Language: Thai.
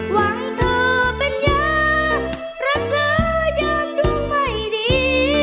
หวังเธอเป็นยามรักษายามดูไม่ดี